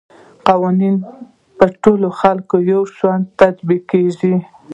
قانون په ټولو خلکو یو شان تطبیقیږي.